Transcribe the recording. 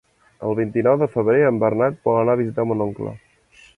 El vint-i-nou de febrer en Bernat vol anar a visitar mon oncle.